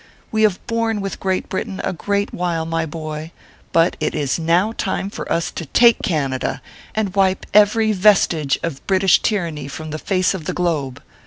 We have borne with Great Britain a great while, my boy ; but it is now time for us to take Canada, and wipe every vestige of British tyranny from the face of the Globe.